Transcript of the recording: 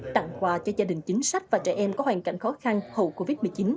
tặng quà cho gia đình chính sách và trẻ em có hoàn cảnh khó khăn hậu covid một mươi chín